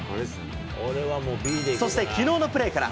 そしてきのうのプレーから。